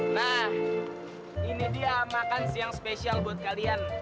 nah ini dia makan siang spesial buat kalian